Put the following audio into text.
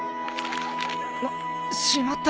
あっしまった！